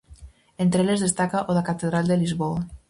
Entre eles destaca o da catedral de Lisboa.